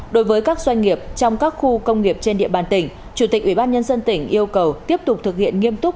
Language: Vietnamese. đối với các doanh nghiệp trong các khu công nghiệp trên địa bàn tỉnh chủ tịch ubnd tỉnh yêu cầu tiếp tục thực hiện nghiêm túc